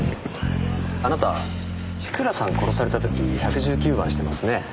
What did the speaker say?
あなた千倉さん殺された時１１９番してますね？